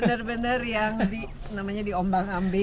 satu jam bener bener yang namanya diombang ambing